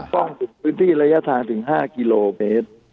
ต้องป้องทุกพื้นที่ระยะทางถึง๕กิโลเบตร